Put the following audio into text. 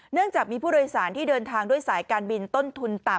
จากมีผู้โดยสารที่เดินทางด้วยสายการบินต้นทุนต่ำ